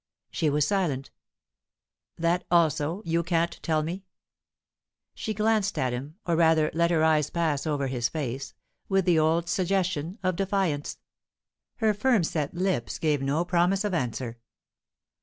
She was silent. "That also you can't tell me?" She glanced at him or rather, let her eyes pass over his face with the old suggestion of defiance. Her firm set lips gave no promise of answer.